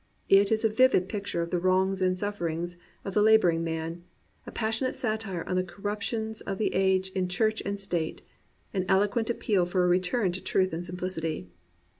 It is a vivid picture of the wrongs and sufferings of the labouring man, a passionate satire on the corrup tions of the age in church and state, an eloquent appeal for a return to truth and simpHcity.